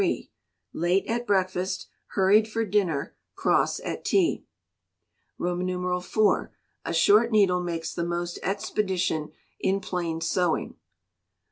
Late at breakfast hurried for dinner cross at tea. iv. A short needle makes the most expedition in plain sewing.